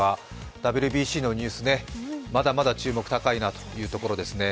ＷＢＣのニュースね、まだまだ注目、高いなというところですね。